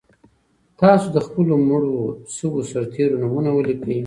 تاسو د خپلو مړو شویو سرتېرو نومونه ولیکئ.